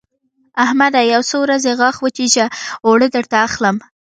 احمده! يو څو ورځې غاښ وچيچه؛ اوړه درته اخلم.